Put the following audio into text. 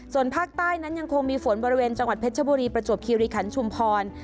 ส่วนภาคใต้นั้นยังคงมีฝนบริเวณจังหวัดเพชรบุรีประจวบคิริขันชุมพร